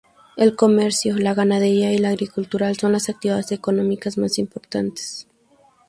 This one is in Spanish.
El comercio, la ganadería y la agricultura son las actividades económicas más importantes.